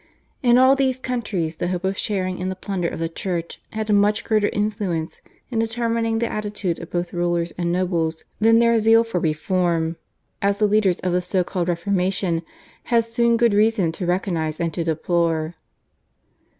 In all these countries the hope of sharing in the plunder of the Church had a much greater influence in determining the attitude of both rulers and nobles than their zeal for reform, as the leaders of the so called Reformation had soon good reason to recognise and to deplore.